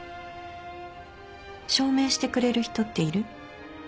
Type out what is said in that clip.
証明してくれる人っている？